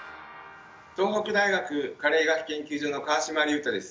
東北大学加齢医学研究所の川島隆太です。